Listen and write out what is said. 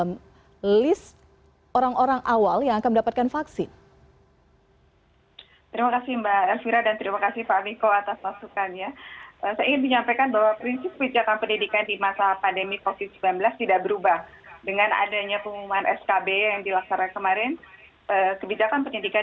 kesehatan dan keselamatan peserta didik pendidik tenaga kepedidikan keluarga dan masyarakat tetap merupakan kebijakan pendidikan